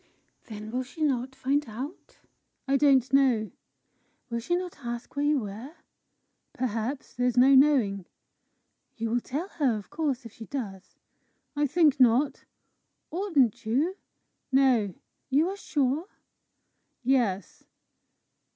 "Then will she not find out?" "I don't know." "Will she not ask you where you were?" "Perhaps. There's no knowing." "You will tell her, of course, if she does?" "I think not." "Oughtn't you?" "No." "You are sure?" "Yes."